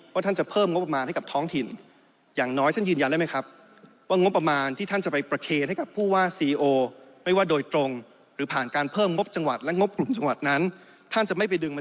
ว่าท่านจะเพิ่มงบประมาณให้กับท้องถิ่น